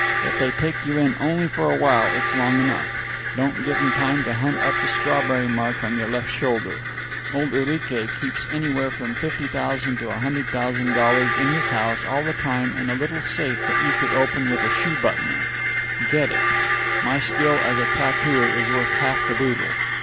If they take you in only for a while it's long enough. Don't give 'em time to hunt up the strawberry mark on your left shoulder. Old Urique keeps anywhere from $50,000 to $100,000 in his house all the time in a little safe that you could open with a shoe buttoner. Get it. My skill as a tattooer is worth half the boddle.